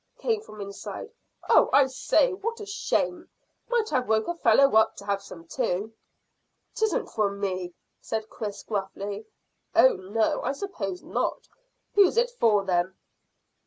came from inside. "Oh, I say, what a shame! Might have woke a fellow up to have some too." "'Tisn't for me," said Chris gruffly. "Oh no! I suppose not. Who's it for, then?"